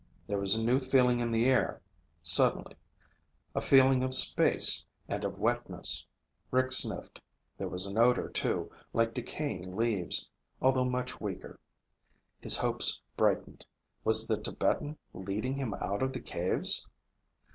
There was a new feeling in the air suddenly, a feeling of space and of wetness. Rick sniffed. There was an odor, too, like decaying leaves, although much weaker. His hopes brightened. Was the Tibetan leading him out of the caves?